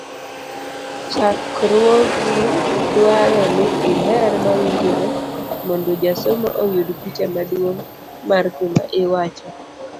chakruogi dwaro ni iler mawinjore mondo jasomo oyud picha maduong' mar gima iwacho.